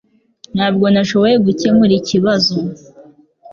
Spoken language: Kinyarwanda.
Ntabwo nashoboye gukemura ikibazo.